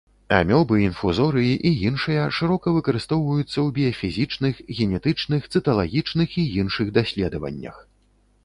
Амёбы, інфузорыі і іншыя шырока выкарыстоўваюцца ў біяфізічных, генетычных, цыталагічных і іншых даследаваннях.